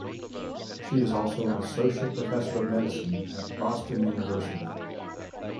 She is also an Associate Professor of Medicine at Boston University.